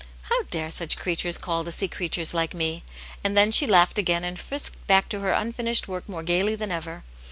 How dare such creatures call to see creatures like ^ me?" And then she laughed again, and frisked back to her unfinished work more gaily than ever.